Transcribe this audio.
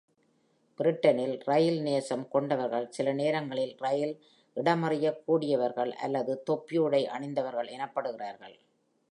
பிரிட்டனில், ரயில் நேசம் கொண்டவர்கள் சிலநேரங்களில் ரயில் இடமறியக் கூடியவர்கள் அல்லது ``தொப்பி உடை அணிந்தவர்கள்’’ எனப்படுகிறார்கள்.